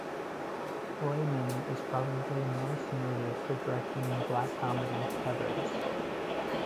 Lehmann is probably most noted for directing the black comedy "Heathers".